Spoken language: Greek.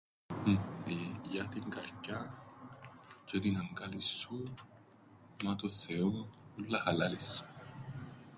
Για την καρκιάν τζ̆αι την αγκάλην σου, μα τον Θεόν ούλλα χαλάλιν σου.